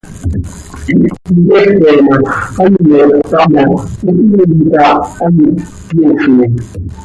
Ihptmoqueepe ma, ano hptpah ma, hihiim cah hant yofii.